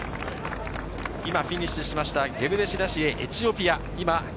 今フィニッシュしたゲブレシラシエ、エチオピア。